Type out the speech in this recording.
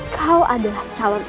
kau adalah calon